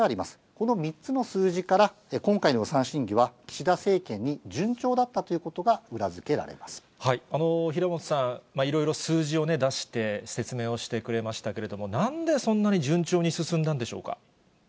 この３つの数字から、今回の予算審議は岸田政権に順調だったということが裏付けられま平本さん、いろいろ数字を出して説明してくれましたけれども、なんでそんなに順調に進んだんでしょうか。